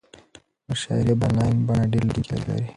مشاعرې په انلاین بڼه ډېر لیدونکي لري.